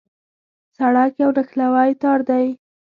سړک یو نښلوی تار دی.